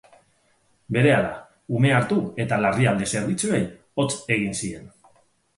Berehala, umea hartu eta larrialdi zerbitzuei hots egin zien.